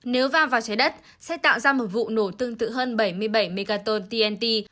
nếu vang vào trái đất sẽ tạo ra một vụ nổ tương tự hơn bảy mươi bảy megaton tnt